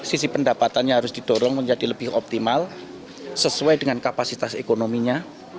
sisi pendapatannya harus didorong menjadi lebih optimal sesuai dengan kapasitas ekonominya